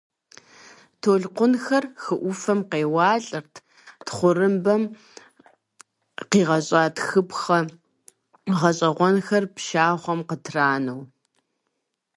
Толъкъунхэр хы Ӏуфэм къеуалӏэрт, тхъурымбэм къигъэщӏа тхыпхъэ гъэщӀэгъуэнхэр пшахъуэм къытранэу.